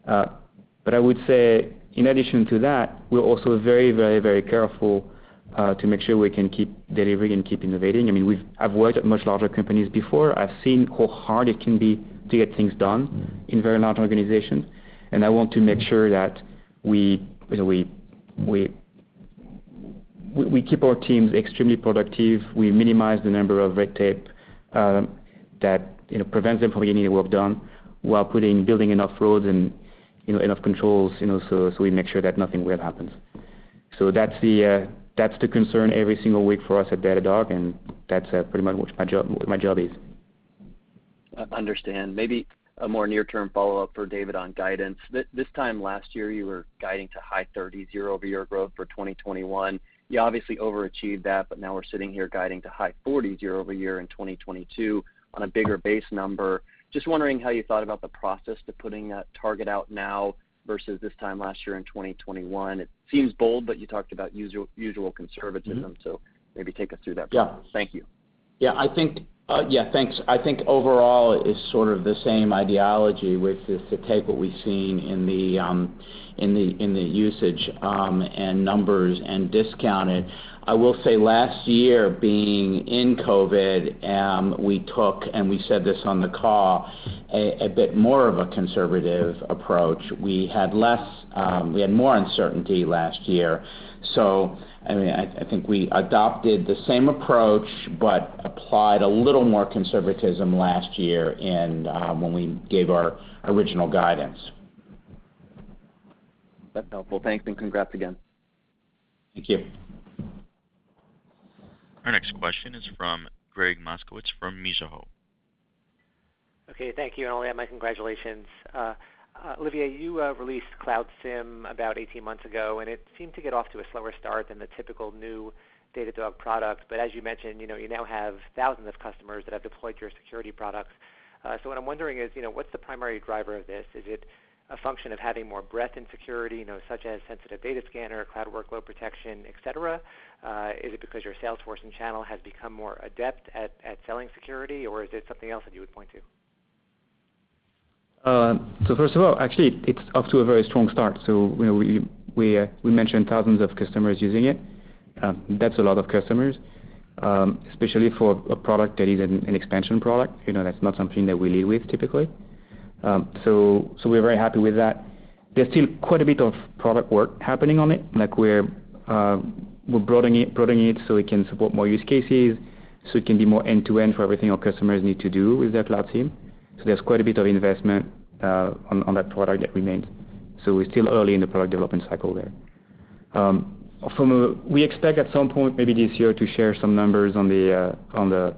I would say in addition to that, we're also very careful to make sure we can keep delivering and keep innovating. I mean, I've worked at much larger companies before. I've seen how hard it can be to get things done in very large organizations, and I want to make sure that we, you know, we keep our teams extremely productive. We minimize the number of red tape, you know, that prevents them from getting work done while building enough roads and, you know, enough controls, you know, so we make sure that nothing weird happens. That's the concern every single week for us at Datadog, and that's pretty much what my job is. I understand. Maybe a more near-term follow-up for David on guidance. This time last year, you were guiding to high-30s% year-over-year growth for 2021. You obviously overachieved that, but now we're sitting here guiding to high-40s% year-over-year in 2022 on a bigger base number. Just wondering how you thought about the process to putting that target out now versus this time last year in 2021. It seems bold, but you talked about usual conservatism. Mm-hmm. Maybe take us through that process. Yeah. Thank you. Yeah, thanks. I think overall it's sort of the same ideology, which is to take what we've seen in the usage and numbers and discount it. I will say last year, being in COVID, we took, and we said this on the call, a bit more of a conservative approach. We had more uncertainty last year. I mean, I think we adopted the same approach, but applied a little more conservatism last year and when we gave our original guidance. That's helpful. Thanks, and congrats again. Thank you. Our next question is from Gregg Moskowitz from Mizuho. Okay, thank you. Olivier, my congratulations. Olivier, you released Cloud SIEM about 18 months ago, and it seemed to get off to a slower start than the typical new Datadog product. As you mentioned, you know, you now have thousands of customers that have deployed your security products. What I'm wondering is, you know, what's the primary driver of this? Is it a function of having more breadth in security, you know, such as Sensitive Data Scanner, Cloud Workload Security, et cetera? Is it because your sales force and channel has become more adept at selling security, or is it something else that you would point to? First of all, actually, it's off to a very strong start. You know, we mentioned thousands of customers using it. That's a lot of customers, especially for a product that is an expansion product. You know, that's not something that we lead with typically. We're very happy with that. There's still quite a bit of product work happening on it. Like, we're broadening it so it can support more use cases, so it can be more end-to-end for everything our customers need to do with their cloud team. There's quite a bit of investment on that product that remains. We're still early in the product development cycle there. We expect at some point maybe this year to share some numbers on the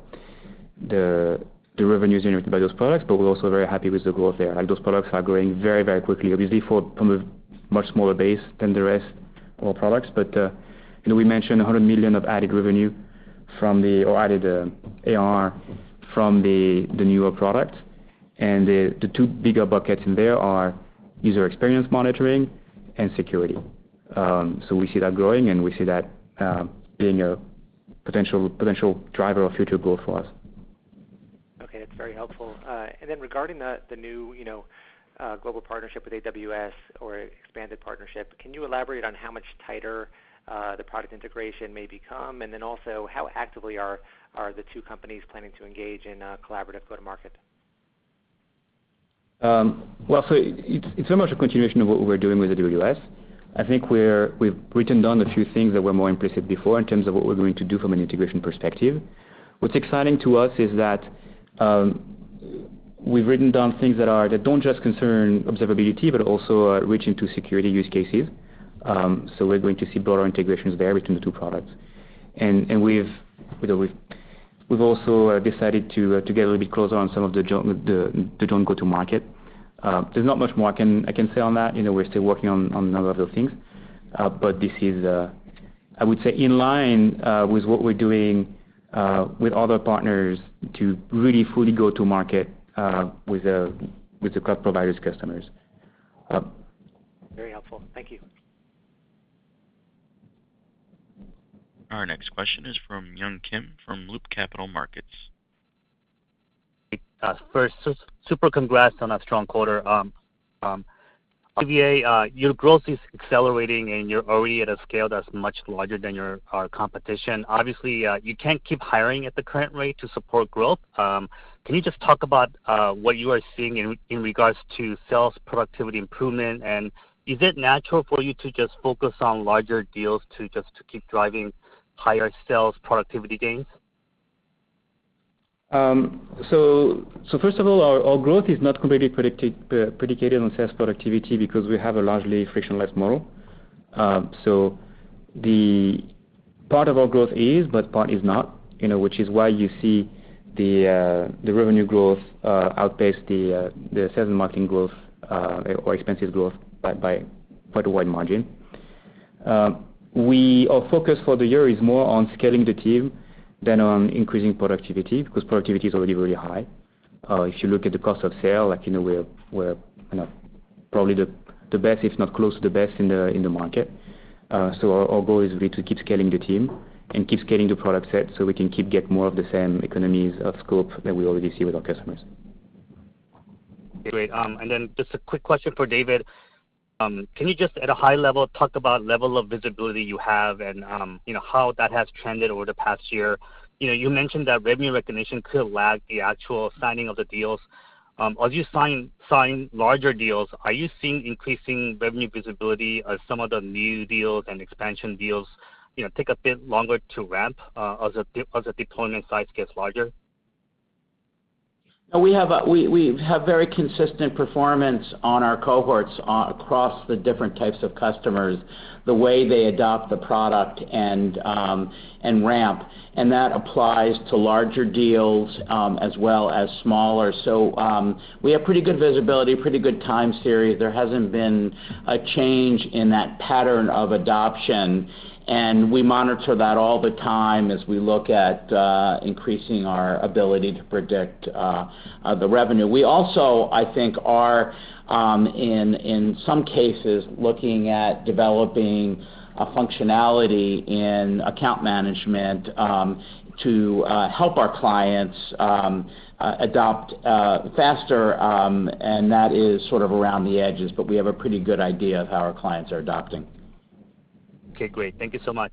revenues generated by those products, but we're also very happy with the growth there. Like, those products are growing very, very quickly, obviously from a much smaller base than the rest of our products. You know, we mentioned $100 million of added AR from the newer product. The two bigger buckets in there are user experience monitoring and security. We see that growing, and we see that being a potential driver of future growth for us. Okay, that's very helpful. Regarding the new, you know, global partnership with AWS or expanded partnership, can you elaborate on how much tighter the product integration may become? Also, how actively are the two companies planning to engage in collaborative go-to-market? Well, it's so much a continuation of what we're doing with AWS. I think we've written down a few things that were more implicit before in terms of what we're going to do from an integration perspective. What's exciting to us is that we've written down things that don't just concern observability, but also reach into security use cases. We're going to see broader integrations there between the two products. We've also decided to get a little bit closer on some of the joint go-to-market. There's not much more I can say on that. You know, we're still working on a number of those things. This is in line with what we're doing with other partners to really fully go to market with the cloud providers' customers. Very helpful. Thank you. Our next question is from Yun Kim from Loop Capital Markets. First, super congrats on that strong quarter. Olivier, your growth is accelerating, and you're already at a scale that's much larger than your competition. Obviously, you can't keep hiring at the current rate to support growth. Can you just talk about what you are seeing in regards to sales productivity improvement? And is it natural for you to just focus on larger deals to keep driving higher sales productivity gains? First of all, our growth is not completely predicated on sales productivity because we have a largely frictionless model. The part of our growth is, but part is not, you know, which is why you see the revenue growth outpace the sales and marketing growth or expense growth by quite a wide margin. Our focus for the year is more on scaling the team than on increasing productivity because productivity is already really high. If you look at the cost of sales, like, you know, we're, you know, probably the best if not close to the best in the market. Our goal is really to keep scaling the team and keep scaling the product set, so we can keep getting more of the same economies of scope that we already see with our customers. Great. Just a quick question for David. Can you just at a high level talk about level of visibility you have and, you know, how that has trended over the past year? You know, you mentioned that revenue recognition could lag the actual signing of the deals. As you sign larger deals, are you seeing increasing revenue visibility as some of the new deals and expansion deals, you know, take a bit longer to ramp, as the deployment size gets larger? We have very consistent performance on our cohorts across the different types of customers, the way they adopt the product and ramp. That applies to larger deals as well as smaller. We have pretty good visibility, pretty good time series. There hasn't been a change in that pattern of adoption, and we monitor that all the time as we look at increasing our ability to predict the revenue. We also, I think, are in some cases looking at developing a functionality in account management to help our clients adopt faster, and that is sort of around the edges. We have a pretty good idea of how our clients are adopting. Okay, great. Thank you so much.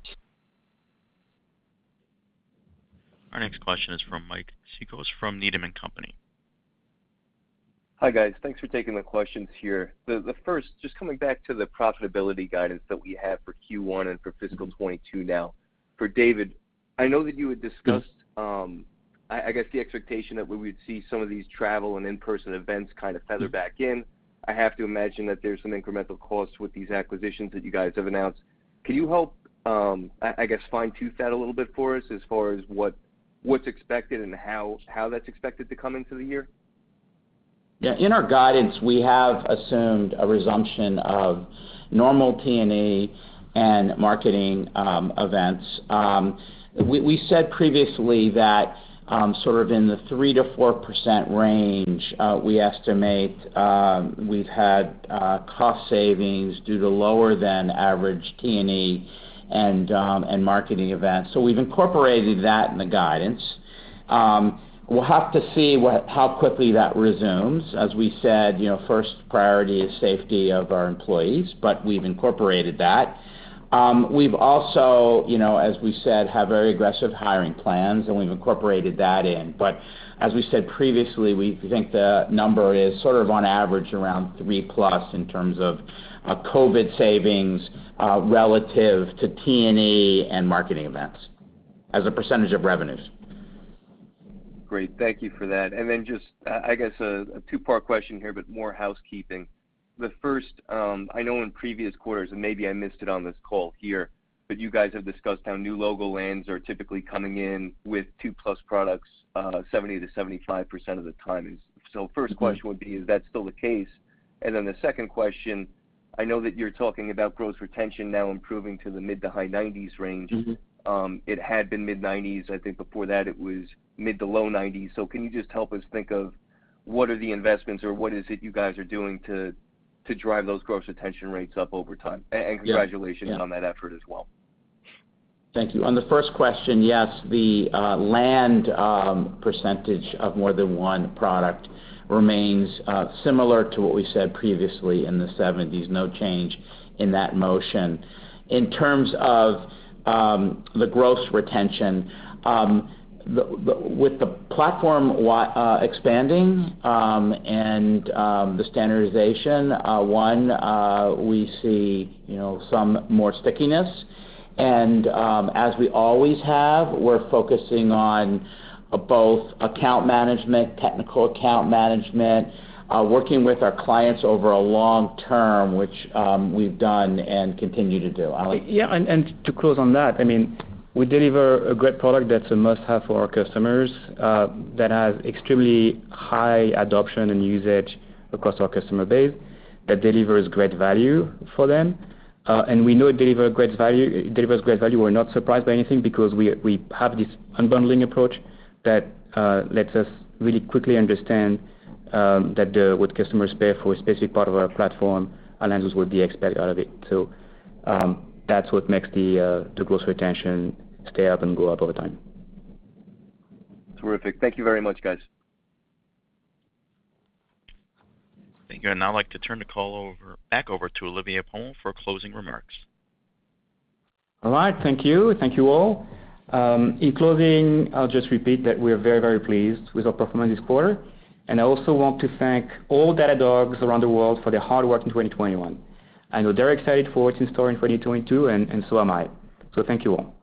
Our next question is from Mike Cikos from Needham & Company. Hi, guys. Thanks for taking the questions here. The first, just coming back to the profitability guidance that we have for Q1 and for fiscal 2022 now. For David, I know that you had discussed. Yeah I guess the expectation that we would see some of these travel and in-person events kind of filter back in. I have to imagine that there's some incremental costs with these acquisitions that you guys have announced. Can you help fine-tune that a little bit for us as far as what's expected and how that's expected to come into the year? Yeah. In our guidance, we have assumed a resumption of normal T&E and marketing events. We said previously that sort of in the 3%-4% range, we estimate we've had cost savings due to lower than average T&E and marketing events. We've incorporated that in the guidance. We'll have to see how quickly that resumes. As we said, you know, first priority is safety of our employees, but we've incorporated that. We've also, you know, as we said, have very aggressive hiring plans, and we've incorporated that in. As we said previously, we think the number is sort of on average around 3+ in terms of COVID savings relative to T&E and marketing events as a percentage of revenues. Great. Thank you for that. Just, I guess a two-part question here, but more housekeeping. The first, I know in previous quarters, and maybe I missed it on this call here, but you guys have discussed how new logo lands are typically coming in with two-plus products, 70%-75% of the time is. Mm-hmm. First question would be, is that still the case? The second question, I know that you're talking about gross retention now improving to the mid- to high-90s% range. Mm-hmm. It had been mid-90s%. I think before that it was mid- to low 90s%. Can you just help us think of what are the investments or what is it you guys are doing to drive those gross retention rates up over time? Yeah. Congratulations. Yeah on that effort as well. Thank you. On the first question, yes, the land percentage of more than one product remains similar to what we said previously in the 70s. No change in that motion. In terms of the gross retention with the platform expanding and the standardization, we see, you know, some more stickiness. As we always have, we're focusing on both account management, technical account management, working with our clients over a long term, which we've done and continue to do. Olivier? Yeah, to close on that, I mean, we deliver a great product that's a must-have for our customers that has extremely high adoption and usage across our customer base that delivers great value for them. We know it delivers great value. We're not surprised by anything because we have this unbundling approach that lets us really quickly understand what customers pay for a specific part of our platform and understands what they expect out of it. That's what makes the gross retention stay up and go up over time. Terrific. Thank you very much, guys. Thank you. I'd now like to turn the call back over to Olivier Pomel for closing remarks. All right. Thank you. Thank you all. In closing, I'll just repeat that we are very, very pleased with our performance this quarter. I also want to thank all Datadogs around the world for their hard work in 2021. I know they're excited for what's in store in 2022, and so am I. Thank you all.